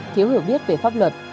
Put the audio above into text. thiếu hiểu biết về pháp luật